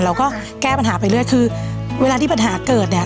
เราก็แก้ปัญหาไปเรื่อยคือเวลาที่ปัญหาเกิดเนี่ย